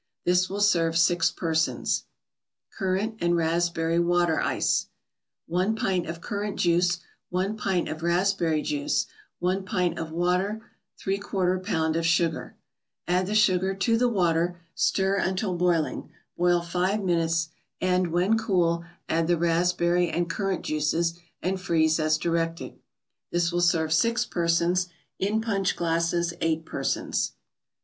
This will serve six persons. CURRANT AND RASPBERRY WATER ICE 1 pint of currant juice 1 pint of raspberry juice 1 pint of water 3/4 pound of sugar Add the sugar to the water, stir until boiling, boil five minutes, and, when cool, add the raspberry and currant juices, and freeze as directed. This will serve six persons; in punch glasses, eight persons.